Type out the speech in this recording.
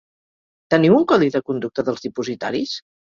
Teniu un codi de conducta dels dipositaris?